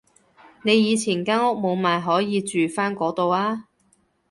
你以前間屋冇賣可以住返嗰度啊